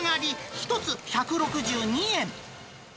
１つ１６２円。